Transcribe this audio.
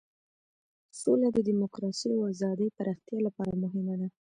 سوله د دموکراسۍ او ازادۍ پراختیا لپاره مهمه ده.